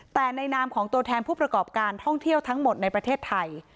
แต่ในนามของตัวแทนผู้ประกอบการท่องเที่ยวทั้งหมดในประเทศไทย